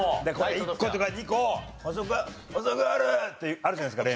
１個とか２個「補足ある？」ってあるじゃないですか例の。